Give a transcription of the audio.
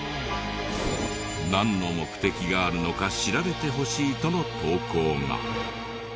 なんの目的があるのか調べてほしいとの投稿が。